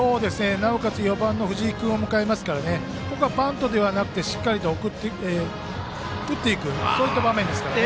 なおかつ、４番の藤井君を迎えるのでここはバントではなくてしっかり打っていくというそういった場面ですからね。